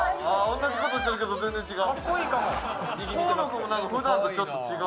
同じことしてるけど、全然違う。